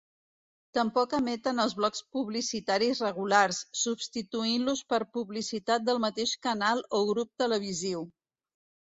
Tampoc emeten els blocs publicitaris regulars, substituint-los per publicitat del mateix canal o grup televisiu.